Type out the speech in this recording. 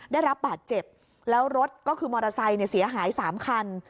ได้รับบาดเจ็บแล้วรถก็คือมอเตอร์ไซค์เสียหาย๓คัน